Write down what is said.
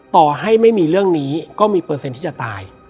ต่อให้ไม่มีเรื่องนี้ก็มีเปอร์เซ็นต์ที่จะตาย